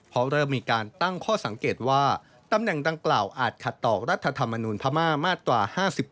เพราะเริ่มมีการตั้งข้อสังเกตว่าตำแหน่งดังกล่าวอาจขัดต่อรัฐธรรมนูลพม่ามาตรา๕๘